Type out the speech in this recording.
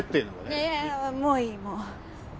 いやいやもういいもう。